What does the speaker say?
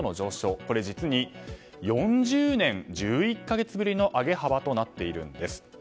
これ、実に４０年１１か月ぶりの上げ幅となっているんです。